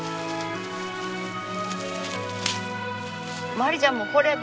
まりちゃんも来れば？